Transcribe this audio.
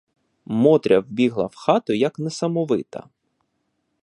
Мотря вбігла в хату, як несамовита.